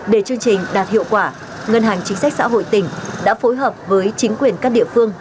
để chương trình đạt hiệu quả ngân hàng chính sách xã hội tỉnh đã phối hợp với chính quyền các địa phương